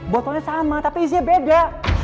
botolnya sama tapi isinya beda